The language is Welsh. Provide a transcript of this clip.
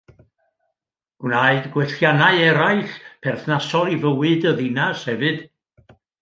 Gwnaed gwelliannau eraill perthnasol i fywyd y ddinas hefyd.